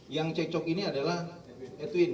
yang cecok ini adalah edwin